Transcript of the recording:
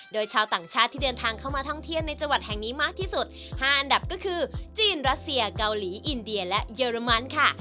โดยชาวต่างชาติที่เดินทางเข้ามาท่องเที่ยวในจังหวัดแห่งนี้มากที่สุด๕อันดับก็คือจีนรัสเซียเกาหลีอินเดียและเยอรมันค่ะ